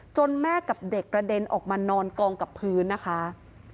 แม่กับเด็กกระเด็นออกมานอนกองกับพื้นนะคะ